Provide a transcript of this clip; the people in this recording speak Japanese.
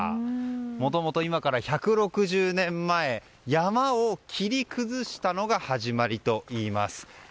もともと今から１６０年前山を切り崩したのが始まりといいます。